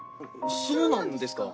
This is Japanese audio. そうなんですか？